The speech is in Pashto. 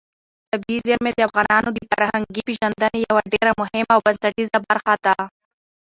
طبیعي زیرمې د افغانانو د فرهنګي پیژندنې یوه ډېره مهمه او بنسټیزه برخه ده.